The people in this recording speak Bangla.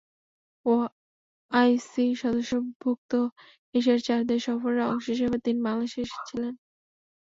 ওআইসি সদস্যভুক্ত এশিয়ার চার দেশ সফরের অংশ হিসেবে তিনি বাংলাদেশে এসেছিলেন।